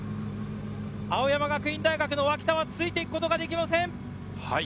青山学院大学の脇田はついていくことができません。